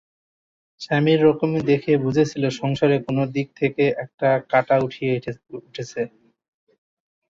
স্বামীর রকম দেখেই বুঝেছিল সংসারে কোনো দিক থেকে একটা কাঁটা উচিয়ে উঠেছে।